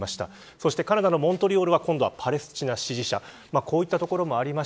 そしてカナダのモントリオールではパレスチナ支持者です。